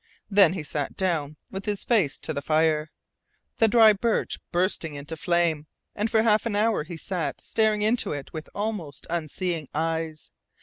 Then he sat down, with his face to the fire. The dry birch burst into flame, and for half an hour he sat staring into it with almost unseeing eyes.